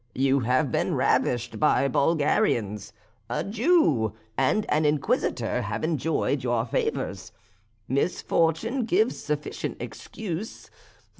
You have been ravished by Bulgarians; a Jew and an Inquisitor have enjoyed your favours. Misfortune gives sufficient excuse.